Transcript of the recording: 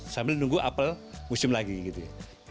sambil menunggu apel musim lagi gitu